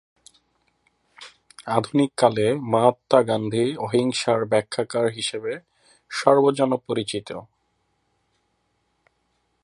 আধুনিককালে মহাত্মা গান্ধী অহিংসার ব্যাখ্যাকার হিসেবে সর্বজন পরিচিত।